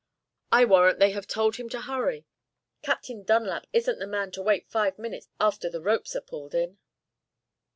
I warrant they have told him to hurry. Captain Dunlap isn't the man to wait five minutes after the ropes are pulled in."